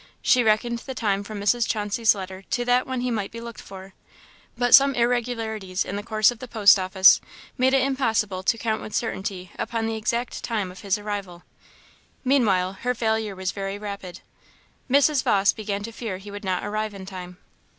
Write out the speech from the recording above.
She reckoned the time from Mrs. Chauncey's letter to that when he might be looked for; but some irregularities in the course of the post office made it impossible to count with certainty upon the exact time of his arrival. Meanwhile, her failure was very rapid. Mrs. Vawse began to fear he would not arrive in time.